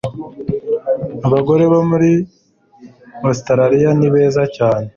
Abagore bo muri Ositaraliya ni beza cyane